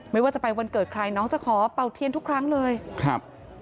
ไม่ว่าจะไปวันเกิดใครน้องจะขอเป่าเทียนทุกครั้งเลยครับ